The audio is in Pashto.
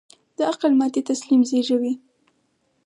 د عقل ماتې تسلیم زېږوي.